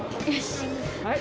よし！